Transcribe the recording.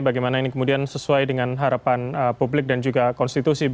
bagaimana ini kemudian sesuai dengan harapan publik dan juga konstitusi